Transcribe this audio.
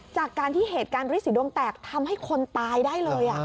จากการที่หักษ์ศรีดวงแตกทำให้คนตายได้เลย